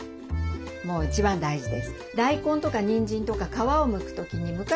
もう一番大事です。